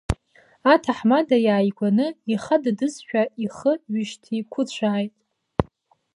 Аҭаҳмада иааигәаны ихадыдызшәа ихы ҩышьҭикәыцәааит.